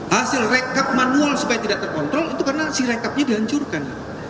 hasil rekap manual supaya tidak terkontrol itu karena si rekapnya dihancurkan